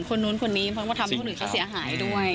คนนู้นคนนี้เพราะทำให้ทุกคนที่เสียหายด้วย